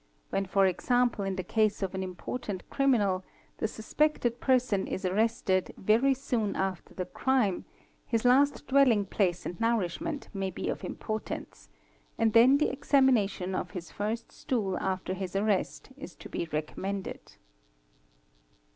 When for example in the case of an important criminal the suspected person is arrested very soon after the crime, his last dwelling place and nourishment may be of importance, and then the examination of his first stool after his arrest is to be ~ recommended.